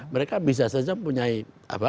mereka bisa saja punya